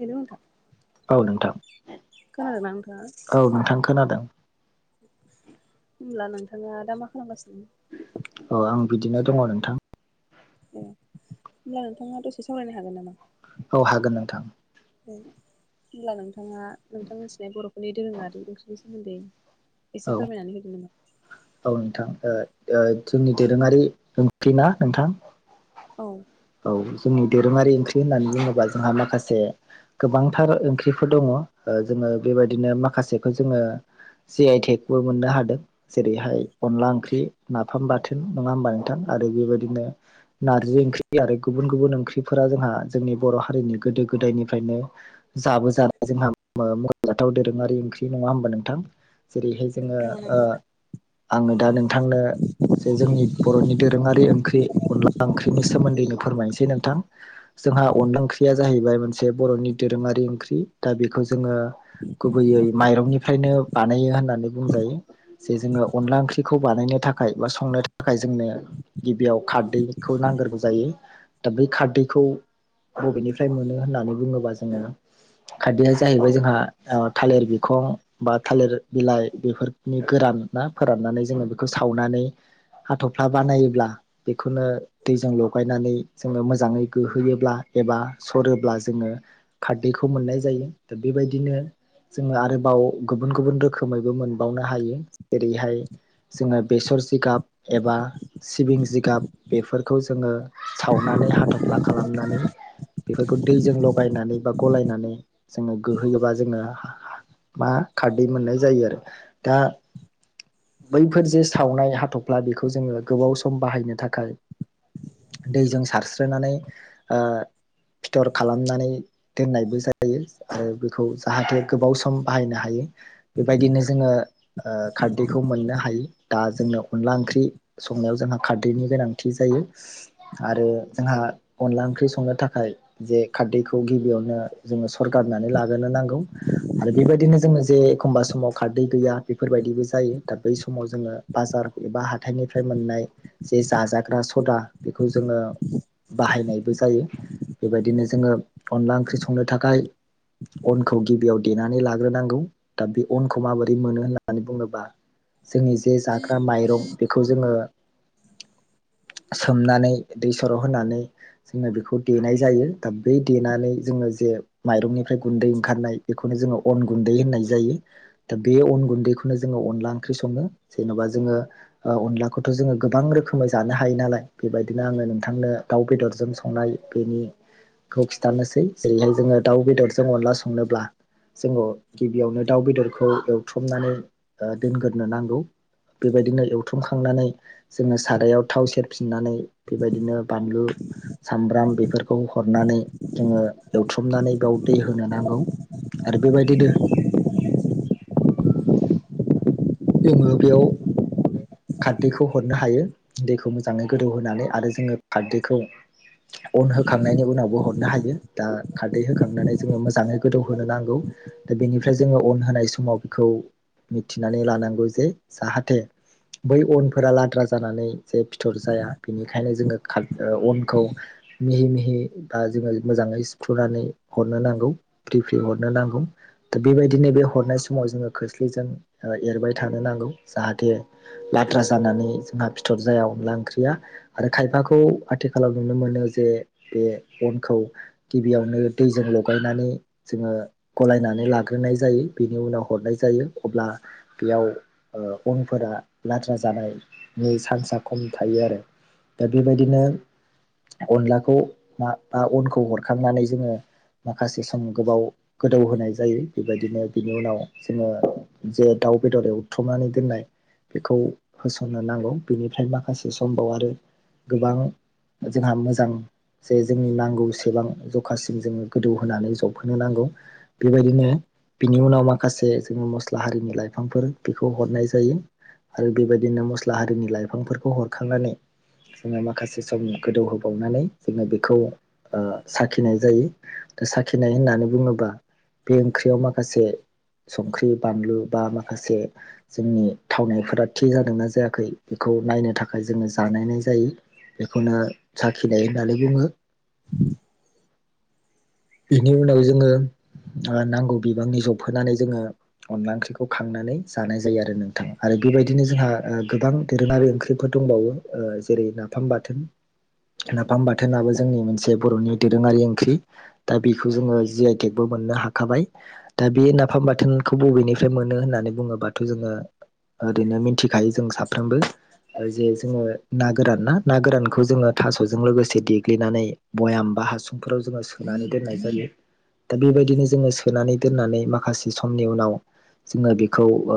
Hello नोंथां? औ नोंथां, खोनादोंना नोंथाङा औ नोंथां खोनादों। होनब्ला नोंथाङा दा मा खालामगासिनो? अ आं बिदिनो दङ नोंथां। ए होमब्ला नोंथाङा दसे सावरायनो हागोन नामा? औ हागोन नोंथां। होमब्ला नोंथाङा नोंथां मिथिनाय बर'फोरनि दोरोङारि ओंख्रि सो- सोमोन्दै औ एसे फोरमायनानै होदो नामा? औ नोंथां ओ-ओ जोंनि दोरोङारि ओंख्रि ना नोंथां? औ औ जोंनि दोरोङारि ओंख्रि होननानै बुङोब्ला जोंहा माखासे गोबांथार ओंख्रिफोर दङ ओ जोङो बेबायदिनो माखासेखौ जोङो जि आइ टेक बो मोननो हादों। जेरैहाय अनला ओंख्रि नाफाम बाथोन नङा होमबा नोंथां आरो बेबायदिनो नारजि ओंख्रि आरो गुबुन गुबुन ओंख्रिफोरा जोंहा जोंनि बर' हारिनि गोदो गोदायनिफ्रायनो जाबो जानाय जोंहा मख'जाथाव दोरोङारि ओंख्रि नङा होमबा नोंथां? जेरैहाय जोङो औ ओ नंगौ नोंथां आङो दा नोंथांनो जे जोंनि बर'नि दोरोङारि ओंख्रि अनला ओंख्रिनि सा- सोमोन्दैनो फोरमायनोसै नोंथां। जोंहा अनला ओंख्रिया जाहैबाय मोनसे बर'नि दोरोङारि ओंख्रि दा बेखौ जोङो गुबैयै माइरंनिफ्रायनो बानायो होननानै बुंजायो। जे जोङो अनला ओंख्रिखौ बानायनो थाखाय बा संनो थाखाय जोंनो गिबियाव खारदैखौ नांगोरबो जायो दा बै खारदैखौ बबेनिफ्राय मोनो होननानै बुङोबा जोङो खारदैआ जाहैबाय जोंहा थालिर बिखं बा थालिर बिलाइ बेफोरनि गोरान ना फोराननानै जोङो बेखौ सावनानै हाथ'फ्ला बानायोब्ला बेखौनो दैजोंल' थगायनानै जोङो मोजाङै गोहोयोब्ला एबा सरोब्ला जोङो खारदैखौ मोननाय जायो दा बेबायदिनो जोङो आरोबाव गुबुन गुबुन रोखोमैबो मोनबावनो हायो जेरैहाय जोङो बेसर जिगाब एबा सिबिं जिगाब बेफोरखौ जोङो सावनानै हाथ'फ्ला खालामनानै बेफोरखौ दैजों लगायनानै बा गलायनानै जोङो गोहोयोबा जोङो मा खारदै मोननाय जायो आरो दा बैफोर जे सावनाय हाथ'फ्ला बेखौ जोङो गोबाव सम बाहायनो थाखाय दैजों सारस्रोनानै फिथर खालामनानै दोननायबो जायो आरो बेखौ जाहाथे गोबाव सम बाहायनो हायो। बेबायदिनो जोङो खारदैखौ मोननो हायो। दा जोंनो अनला ओंख्रि संनायाव जोंहा खारदैनि गोनांथि जायो। आरो जोंहा अनला ओंख्रि संनो थाखाय जे खारदैखौ गिबियावनो जोङो सं गारनानै लाग्रोनो नांगौ आरो बेबायदिनो जोङो जे एखमबा समाव खारदै गैया बेफोरबायदिबो जायो दा बै समाव जोङो बाजार एबा हाथाइनिफ्राय मोननाय जे जाजाग्रा सदा बेखौ जोङो बाहायनायबो जायो बेबायदिनो जोङो अनला ओंख्रि संनो थाखाय अनखौ गिबियाव देनानै लाग्रोनांगौ। दा बे अनखौ माबोरै मोनो होननानै बुङोबा जोंनि जे जाग्रा माइरं बेखौ जोङो सोमनानै दै सर' होनानै जोङो बेखौ देनाय जायो। दा बै देनानै जोङो जे माइरंनिफ्राय गुन्दै ओंखारनाय बेखौनो जोङो अन गुन्दै होननाय जायो। दा बे अन गुन्दैखौनो जोङो अनला ओंख्रि संनो जेन'बा जोङो अनलाखौथ' जोङो गोबां रोखोमै जानो हायो नालाय। बेबायदिनो आङो नोंथांनो दाउ बेदरजों संनाय बेनि खौ खिन्थानोसै जेरैहाय जोङो दाउ बेदरजों अनला संनोब्ला जोङो गिबियावनो दाउ बेदरखौ एवथुमनानै दोनग्रोनो नांगौ। बेबायदिनो एवथुमखांनानै जोङो सारायाव थाव सेर फिननानै बेबायदिनो बानलु सामब्राम बेफोरखौ हरनानै जोङो एवथुमनानै बेयाव दै होनो नांगौ आरो बेबायदिनो जोङो बेयाव खाददैखौ हरनो हायो दैखौ मोजाङै गोदौ होनोनानै आरो जोङो खाददैखौ अन होखांनायनि उनावबो हरनो हायो दा खाददै होखांनानै जोङो मोजाङै गोदौ होनोनो नांगौ। दा बेनिफ्राय जोङो अन होनाय समाव बेखौ मिथिनानै लानांगौ जे जाहाथे बै अनफोरा लाद्रा जानानै जे फिथर जाया बेनिखायनो जोङो अनखौ मिहि मिहि बा जोङो मोजाङै सिफ्रुनानै हरनो नांगौ। फ्रि फ्रि हरनो नांगौ दा बेबायदिनो बे हरनाय समाव जोङो खोस्लिजों ओ एरबाय थानो नांगौ जाहाथे लाद्रा जानानै जोंहा बिथिर जाया अनला ओंख्रिया आरो खायफाखौ आथिखालाव नुनो मोनो जे बे अनखौ गिबियावनो दैजों लगायनानै जोङो गलायनानै लाग्रोनाय जायो बिनि उनाव हरनाय जायो अब्ला बेयाव अनफोरा लाद्रा जानायनि चान्स खम थायो आरो। दा बेबायदिनो अनलाखौ म बा अनखौ हरखांनानै जोङो माखासे सम गोबाव गोदौ होनाय जायो। बेबायदिनो बिनि उनाव जोङो जे दाउ बेदर एवथ्रुमनानै दोननाय बेखौ होसननो नांगौ बेनिफ्राय माखासे समबाव आरो गोबां जोंहा मोजां जे जोंनि नांगौ सेबां जखासिम जोङो गोदौ होनोनानै जब होनो नांगौ। बेबायदिनो बिनि उनाव माखासे जोङो मस्ला हारिनिलाइ लाइफांफोर बेखौ हरनाय जायो आरो बेबायदिनो मस्ला हारिनि लाइफांफोरखौ हरखांनानै जोङो माखासे सम गोदौहोबावनानै जोङो बेखौ ओ साखिनाय जायो साखिनाय होननानै बुङोबा बे ओंख्रियाव माखासे संख्रि बानलु बा माखासे जोंनि थावनायफोरा थि जादोंना जायाखै बेखौ नायनो थाखाय जोङो जानायनाय जायो। बेखौनो साखिनाय होननानै बुङो। बिनि उनाव जोङो नांगौ बिबांनि जबहोनानै जोङो अनला ओंख्रिखौ खांनानै जानाय जायो आरो नोंथाङा आरो बेबायदिनो जोंहा गोबां दोरोङारि ओंख्रि फोर दंबावो ओ जेरै नाफाम बाथोन नाफाम बाथोनाबो जोंनि मोनसे बर'नि दोरोङारि ओंख्रि। दा बेखौ जोङो जि आइटेकबो मोननो हाखाबाय दा बे नाफाम बाथोनखौ बबेनिफ्राय ओमफ्राय मोनो होननानै बुङोबाथ' जोङो ओरैनो मिथिखायो जों साफ्रोमबो जे जोङो ना गोरान ना ना गोरानखौ जोङो थास'जों लोगोसे देग्लिनानै भयाम बा हासुंफोराव जोङो सोनानै दोननाय जायो। दा बेबायदिनो जोङो सोनानै दोननानै माखासे समनि उनाव जोङो बेखौ ओ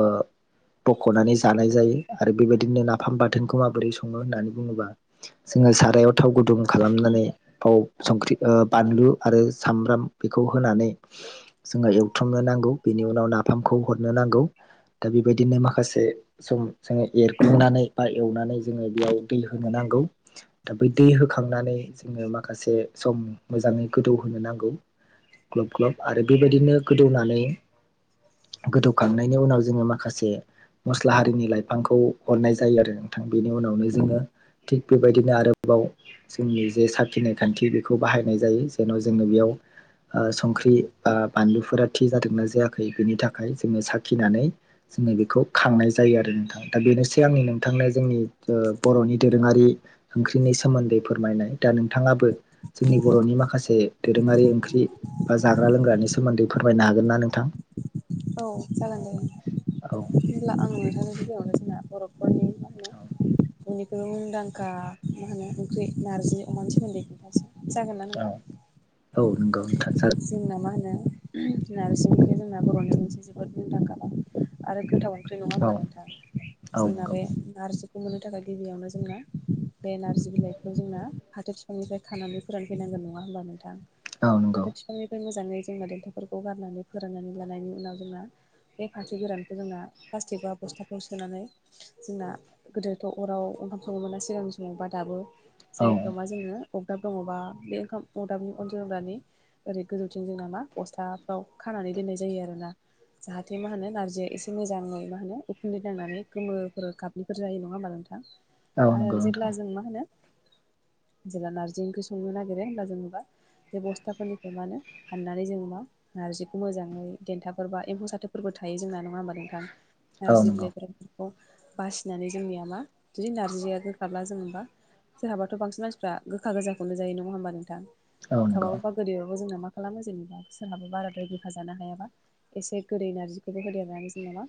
बख'नानै जानाय जायो आरो बेबायदिनो नाफाम बाथोनखौ माबोरै सङो होननानै बुङोबा जोङो सारायाव थाव गुदुं खालामनानै थाव संख्रि ओ बानलु आरो सामब्राम बेखौ होनानै जोङो एवथुमनो नांगौ बेनि उनाव नाफामखौ हरनो नांगौ दा बेबायदिनो माखासे सम जोङो एरखांनानै बा एवनानै जोङो बेयाव दै होनो नांगौ दा बै दै होखांनानै जोङो माखासे सम मोजाङै गोदौहोनो नांगौ ग्लब ग्लब आरो बेबायदिनो गोदौनानै गोदौखांनायनि उनाव जोङो माखासे मस्ला हारिनि लाइफांखौ हरनाय जायो आरो। थां बेनि उनावनो जोङो थिग बेबायदिनो आरोबाव जोंनि जे साखिनाय खान्थि बेखौ बाहायनाय जायो। दा जोङो बेयाव संख्रि बा बानलुफोरा थि जादोंना जायाखै? बेनि थाखाय जोङो साखिनानै जोङो बेखौ खांनाय जा जायो आरो नोंथां। दा बेनोसै आंनि नोंथांनो जोंनि बर'नि दोरोङारि ओंख्रिनि सोमोन्दै फोरमायनाय‌। दा नोंथाङाबो जोंनि बर'नि माखासे दोरोङारि ओंख्रि बा जाग्रा लोंग्रानि सोमोन्दै फोरमायनो हागोन ना नोंथां? औ जागोन दे। औ होब्ला आं नोंथांनो गिबियावनो जोंना बर'फोरनि मा होनो औ बयनिख्रइबो मुंदांखा मा होनो ओंख्रि नार्जि अमानि सोमोन्दै जागोन ना औ नोंथा? औ नंगौ नोंथां जोंना मा होनो नारजि ओंख्रिया जोंना बर'नि मोनसे जोबोद मुदांखा आरो गोथाव ओंख्रि नङा औ होनबा नोंथां? औ जोंना नंगौ बे नारजिखौ मोननो थाखाय गिबियावनो जोंना बे नारजि बिलाइखौ जोंना बातों निफ्राय खानानै फोरानफैनांगोन नङा होनबा नोंथां? औ नंगौ फाथो बिफांनिफ्राय मोजाङै जोंना देन्था'फोरखौ गारनानै फोराननानै लानायनि उनाव जोंना बे फाथो गोरानखौ जोंना प्लास्टिक बा बस्थाफोराव सोनानै जोंना गोदोथ' अराव ओंखामफ्रङोमोना सिगांनि समाव बा दाबो औ जायफोर मा जोङो अगदाब दङबा बे ओंखाम अगदाबनि अन जानि ओरै गोजौथिं जोंना मा बस्थाफ्राव खानानै दोननाय जायो आरोना। जाहाथे मा होनो नार्जिआ एसे मोजाङै मा होनो उखुन्दै नांनानै गोमोफोर गाब बेफोर जायो नङा होमबा नोंथां? औ आरो नंगौ नोंथां जेब्ला जों मा होनो जेब्ला नारजि ओंख्रि संनो नागिरो होमब्ला जेनेबा बे बस्थाफोरनिफ्राय मा होनो फाननानै जों मा नार्जिखौ मोजाङै देन्थाब फोरबा एम्फौ साथोफोरबो थायो जोंना नङा होनबा नोंथां? औ नारजि नंगौ बिलाइफोर खौ बासिनानै जोंनिया मा जुदि नारजिया गोखाब्ला जोंबा सोरहाबाथ' बांसिन मानसिफ्रा गोखा गोजाखौनो जायो नङा होमबा नोंथांं? औ गोखा नंगौ गोदोयावबो जोंना मा खालामो जेनेबा सोरहाबो बाराद्राय गोखा जानो हायाबा एसे गोदै नारजिखौबो होदेरनानै जोंना मा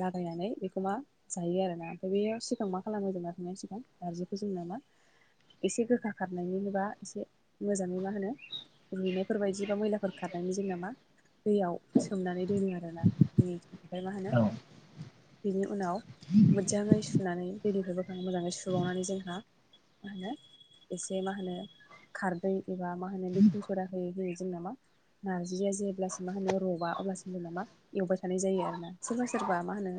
लागायनानै बेखौ मा जायो आरोना। ओमफ्राय बे सिगां मा खालामो जोंना थांनायनायनि सिगां, नारजिखौ जोंना मा एसे गोखा खारनायनिबा एसे मोजाङै मा होनो रुइनायफोरबायदि बा मैलाफोर खारनायनि जोंनामा दैयाव सोमनानै दोनो आरो ना। ओमफ्राय मा होनो औ बिनि उनाव मोजाङै सुनानै दैनिफ्राय मोजाङै सुबावनानै जोंहा मा होनो एसे मा होनो खारदै एबा मा होनो बेखिं सदा होयै होयै जोंनामा नारजिया जेब्लासिम मा होनो रबा अब्लासिम जोंना मा एवबाय था थानाय जायो आरो ना। सोरबा सोरबा मा होनो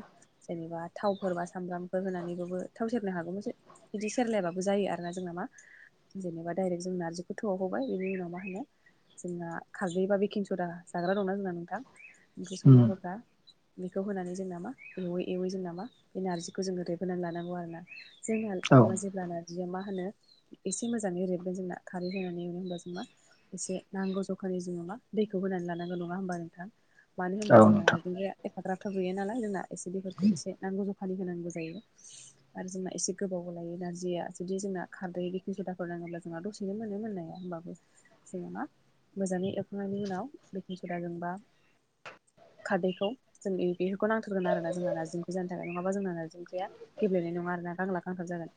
जेनेबा थावफोर बा सामब्रामफोर होनानैबो थाव सेरनो हागौमोनसो बिदि सेरलायाबाबो जायो आरोना। जोंनामा जेनेबा डाइरेक्ट जों नारजिखौ थोवआव होबाय बिनि उनाव मा होनो जोंना खारदै बा बेकिं सदा जाग्रा दंना जोंना नोंथां? ओंख्रि उम संनायाव होग्रा बेखौ होनानै जों नामा एवै एवै जोंनामा बे नारजिखौ जोङो रेबोनानै लानांगौ आरो ना। जोंहा औ मा जेब्लाना बियो मा होनो एसे मोजाङै रेबगोन जोंना खारै होनानै एरो होनबासो मा एसे नांगौ जखानि जोङो मा दैखौ होनानै लानांगौ नङा होनबा नों मानो औ होनबा जोंना नोंथां नारजि एफाग्राथ' गैया नालाय जोंना, एसे दैफोरखौ एसे नांगौ ज जखानि होनांगौ जायो‌। आरो जोंना एसे गोबाव लायो नारजिया जुदि जोंना खारदै बेखिं सदाखौ नाङोब्ला जों दसेनो मोनो मोननाया होमबाबो जोङो मा मोजाङै एरखांनायनि उनाव बेखिं सदा जों बा खारदैखौ जों बेफोरखौ नांथारगोन आरो ना जोंना नारजि ओंख्रिया जानो थाखाय नङाबा जोंना नारजि ओंख्रिया गेब्लेनाय नङा आरोना गांलाब गांथाब जागोन।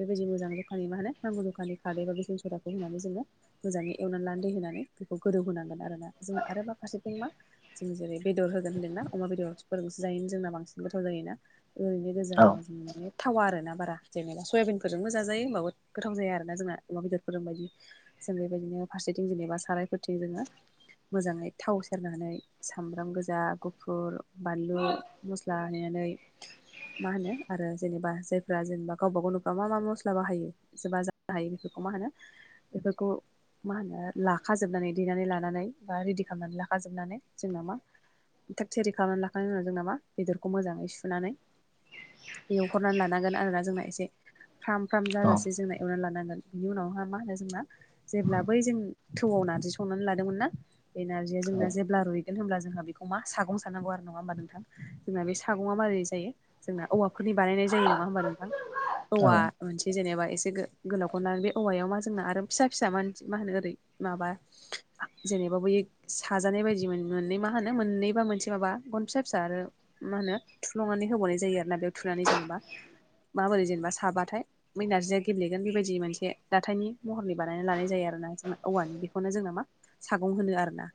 बेबायदि मोजां जखानानि मा होनो नांगौ जखानि खारै एबा बेकिं सदाखौ होनानै जोङो मोजाङै एवनानै लाना दै होनानै बेखौ गोदौ होनोनांगोन आरो ना जोंना आरोबाव फासे मा जों जेरै बेदर होगोन होन्दोंना अमा बेदरफोरसे जायोनो जोंना बांसिन गोथाव जायोना ओरैनो औ गोजाबाबो जों माने थावा आरोना बारा जेनेबा सयाबिनफोरजोंबो जाजायो होमबाबो गोथाव जाया आरोना जोंना अमा बेदरफोरजों बायदि जों बेबायदिनो फारसेथिं जेनेबा सारायफोरथिं जोङो मोजाङै थाव सेरनानै सामब्राम गोजा, गुफुर, बानलु, मस्ला होनानै मा होनो आरो जेनेबा जायफ्रा जेनेबा गावबा गाव न'फ्राव मा मा मस्ला बाहायो जोबा जानो हा [unintelligible] यो बेफोरखौ मा होनो बेफोरखौ मा होनो लाखाजोबनानै दैनानै लानानै बा रेडि खालामनानै ला। खाजोबनानै जोंना मा थाक थियारि खालामना लाखांनायनि उनाव जोंना मा बेदरखौ मोजाङै सुनानै एवफ्रामनानै लानांगोन आरो ना जोंना एसे फ्राम फ्राम औ जाजासे जोंना एवनानै लानांगोन बिनि उनावहा मा होनो जोंना जेब्ला बै जों थौआव नार्जि संनानै लादोंमोन ना बे नारजिया जोंना जेब्ला रुइ मानो होनोमब्ला जोंहा बेखौ मा सागं साननांगौ आरो। नङा होमबा नोंथां? जोंना बे सागंआ माबारै जायो? जोंना औवाफोरनि बानायनाय जायो नङा होमबा नोंथां? औ औवा जेनेबा एसे गोलावखौनानै बे औवायाव मा जोंना आरो फिसा फिसा मानसि मा होनो ओरै माबा जेनेबा बै साजानाय बायदि मोन मोननै मा होनो मोननै बा मोनसे माबा गन फिसा फिसा आरो मा होनो थुप्लंनानै होबावनाय जायो आरोना बेयाव थुनानै जेनेबा माबोरै जेनेबा साबाथाय बै नारजिया गेब्लेगोन बेबायदि मोनसे दाथायनि महरनि बानायना लानाय जायो आरोना जेनबा औवानि बेखौनो जोंना मा सागं होनो आरो ना।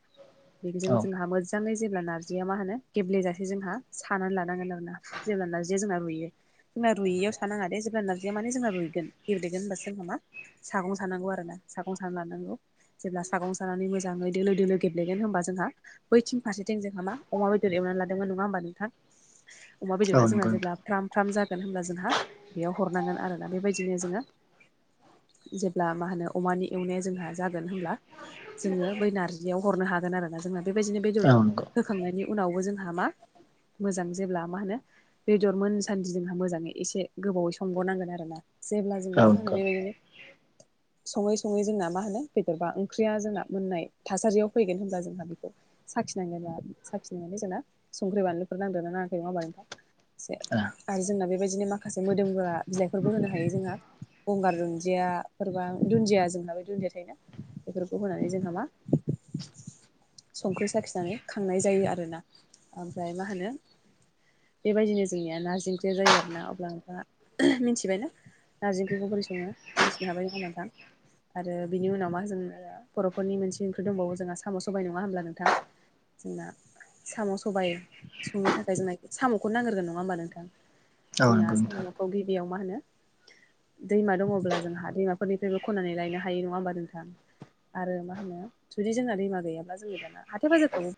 औ बेजों जोंहा मोजाङै जेब्ला नारजिया मा होनो गेब्लेेजासे जोंहा सानानै लानांगोन आरो ना। जेब्ला नार्जिआ जोंना रुयो जोंना रुयियाव सानाङा दे जेब्ला नारजिया माने जोंना रुइगोन गेब्लेगोन होनबासो जोंना मा सागं सानांगौ आरो ना सागं साना लानांगौ जेब्ला सागं सानानै मोजाङै दोलो दोलो गेब्लेगोन होनोमबा जोंहा बैथिं फारसेथिं जोंहा मा अमा बेदर एवनानै लादोंमोन। नङा होमबा नोंथां? अमा बेदरा औ जोंहा नंगौ नोंथां जेब्ला फ्राम फ्राम जागोन होनोमब्ला जोंहा बेयाव हरनांगोन आरोना बे बायदिनो जोङो जेब्ला मा होनो अमानि एवनाया जोंहा जागोन होनब्ला जोङो बै नार्जि जियाव हरनो हागोन आरो ना जोंहा बे बायदिनो बेदर औ नंगौ औ नंगौ होखांनायनि उनावबो जोंहा मा मोजां जेब्ला मा होनो बेदर मोनसान्दि जोंहा मोजाङै एसे गोबावै संबावनांगोन आरोना। जेब्ला जोंना औ मा होनो बे बायदिनो सङै सङै जोंना मा होनो बेदर बा ओंख्रिया जोंना मोननाय थासारियाव फैगोन होनब्ला जोंहा बेखौ साखिनाय साखिनायनानै जोंना संख्रि बानलुफोर नांदोंना नाङाखै नङा होमबा नोंथां एसे? आरो जोंना बे बायदिनो माखासे मोदोमग्रा बिलाइफोरबो होनो हायो जोंहा गंगार दुन्दिया फोर बा दुन्दिया जोंहा बे दुन्दिया थायोना बेफोरखौ होनानै जोंहा मा संख्रि साखिनानै खांनाय जायो आरोना। ओमफ्राय मा होनो? बे बायदिनो जोंनिया नारजि ओंख्रिया जायो आरोना। अब्ला नोंथाङा मिथिबायनाा? नारजि ओंख्रिखौ बोरै सङो मिथिनो हाबाय नङा होमबा नोंथां? आरो बिनि उनाव मा जों बर'फोरनि मोनसे ओंख्रि दंबावो जोंहा साम' सबाय नङा होमब्ला नोंथां? जोंना साम' सबाय संनो थाखाय जोंना साम'खौनो नांग्रगोन नङा होमबा नोंथां? जोंहा नंगौ नोंथां साम'खौ गिबियाव मा होनो दैमा दङब्ला जोंहा दैमाफोरनिफ्रायबो खननानै लायनो हायो नङा होमबा नोंथां? आरो मा होनो जुदि जोंना दैमा गैयाब्ला जोङो दाना हाथाय बाजारफ्राव